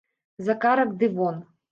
За карак ды вон.